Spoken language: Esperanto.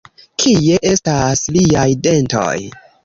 Kie estas liaj dentoj?